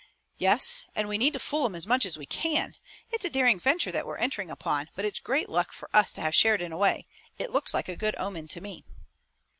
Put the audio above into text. "Yes, and we need to fool 'em as much as we can. It's a daring venture that we're entering upon, but it's great luck for us to have Sheridan away. It looks like a good omen to me."